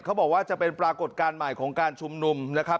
เขาบอกว่าจะเป็นปรากฏการณ์ใหม่ของการชุมนุมนะครับ